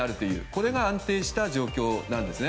これが安定した状況なんですね。